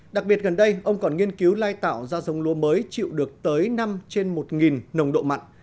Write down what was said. đặc biệt gần đây ông còn nghiên cứu lai tạo ra giống lúa mới chịu được tới năm trên một nồng độ mặn